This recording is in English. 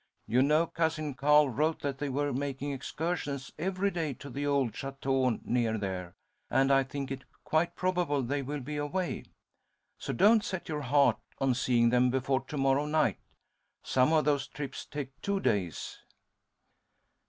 "You know Cousin Carl wrote that they were making excursions every day to the old châteaux near there, and I think it quite probable they will be away. So don't set your heart on seeing them before to morrow night. Some of those trips take two days."